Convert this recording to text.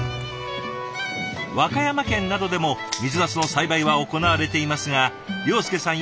和歌山県などでも水なすの栽培は行われていますが庸介さん